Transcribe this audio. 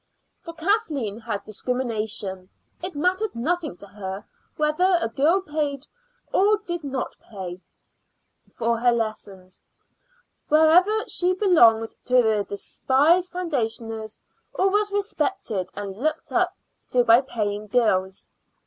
For Kathleen had discrimination; it mattered nothing to her whether a girl paid or did not pay for her lessons, whether she belonged to the despised foundationers or was respected and looked up to by paying girls.